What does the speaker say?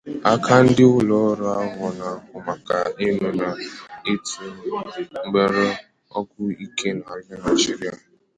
Aka ndị ụlọọrụ ahụ na-ahụ maka ịñụ na ịtụ mgbere ọgwụ ike n'ala Nigeria